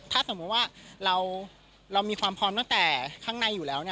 ถ้าสมมุติว่าเรามีความพร้อมตั้งแต่ข้างในอยู่แล้ว